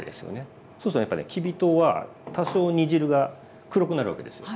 そうするとやっぱねきび糖は多少煮汁が黒くなるわけですよ。